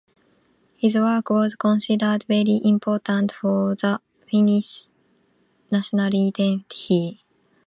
His work was considered very important for the Finnish national identity.